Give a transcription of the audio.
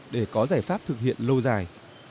để có giải pháp thực hiện lâu dài